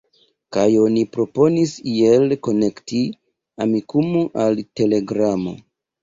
Kaj oni proponis iel konekti Amikumu al Telegramo.